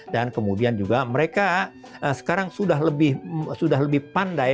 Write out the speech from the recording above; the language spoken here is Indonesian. dan kemudian juga mereka sekarang sudah lebih pandai